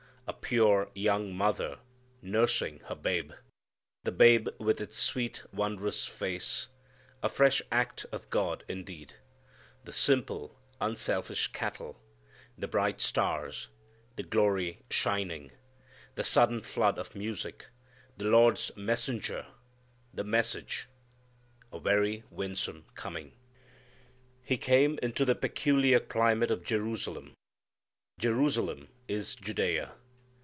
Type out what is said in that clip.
A pure young mother nursing her babe; the babe with its sweet wondrous face, a fresh act of God indeed; the simple unselfish cattle; the bright stars; the Glory shining; the sudden flood of music; the Lord's messenger; the message a very winsome coming. He came into the peculiar climate of Jerusalem. Jerusalem is Judea.